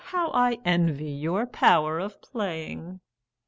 "How I envy your power of playing!"